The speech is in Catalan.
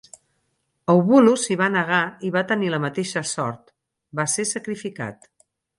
Eubulus s'hi va negar i va tenir la mateixa sort; va ser sacrificat.